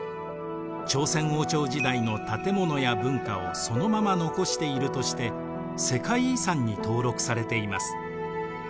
朝鮮王朝時代の建物や文化をそのまま残しているとして世界遺産に登録されています。